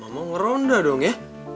mama ngeronda dong ya